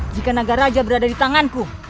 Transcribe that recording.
jika naga raja berada di tanganku